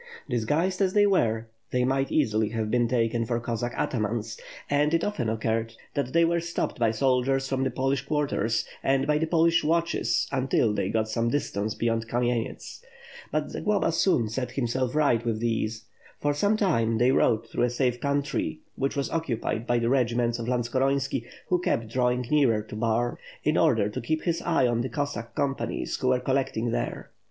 Disguised as they were, they might easily have been taken for Cossack atamans, and it often occurred that they were stopped by soldiers from the Polish quarters, and by the Polish watches, until they got some distance beyond Kam enets. But Zagloba soon set himself right with these. For 643 544 W'/rff FIRE AND SWORD. some time, they rode through a safe country, which was occupied by the regiments of Lantskorontiki, who kept draw ing nearer to Bar in order to keep his eye on the Cossack com panies who were collecting there.